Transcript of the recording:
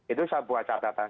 itu saya buat catatan